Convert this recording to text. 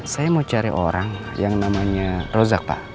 saya mau cari orang yang namanya rozak pak